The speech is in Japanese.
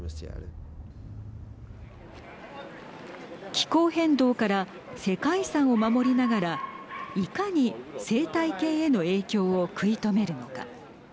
気候変動から世界遺産を守りながらいかに生態系への影響を食い止めるのか。